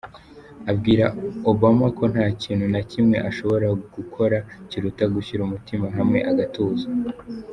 Abwira Obama ko nta kintu na kimwe ashobora gukora, kiruta gushyira umutima hamwe agatuza.